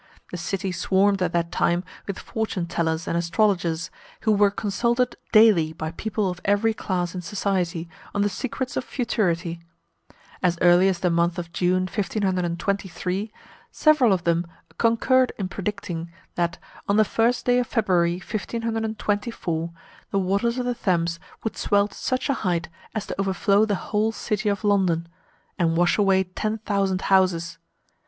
The city swarmed at that time with fortune tellers and astrologers, who were consulted daily by people of every class in society on the secrets of futurity. As early as the month of June 1523, several of them concurred in predicting that, on the 1st day of February 1524, the waters of the Thames would swell to such a height as to overflow the whole city of London, and wash away ten thousand houses.